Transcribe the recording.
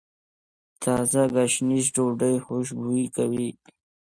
تازه ګشنیز ډوډۍ خوشبويه کوي.